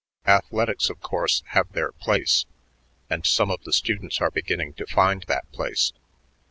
Athletics, of course, have their place, and some of the students are beginning to find that place.